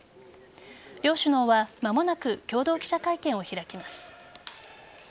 両首脳は間もなく共同記者会見を開きます。